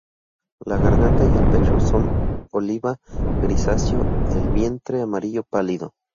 La garganta y el pecho son oliva grisáceo; el vientre amarillo pálido.